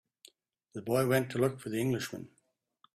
The boy went to look for the Englishman.